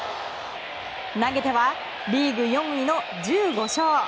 投げてはリーグ４位の１５勝。